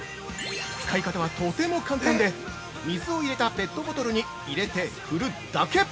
使い方は、とても簡単で水を入れたペットボトルに入れて振るだけ。